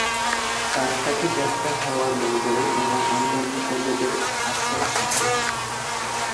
তার সাথে গ্রেপ্তার হওয়া মেজর এবং অন্যান্য সৈন্যদের আটকে রাখা হয়েছে।